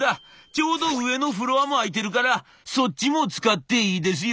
ちょうど上のフロアも空いてるからそっちも使っていいですよ」。